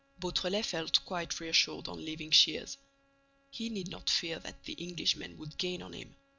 Beautrelet felt quite reassured on leaving Shears: he need not fear that the Englishman would gain on him.